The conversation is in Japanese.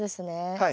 はい。